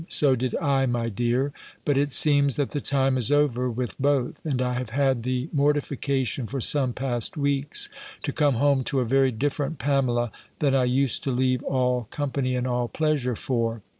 _ So did I, my dear! But it seems that the time is over with both; and I have had the mortification, for some past weeks, to come home to a very different Pamela, than I used to leave all company and all pleasure for.